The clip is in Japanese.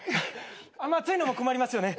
あんま暑いのも困りますよね。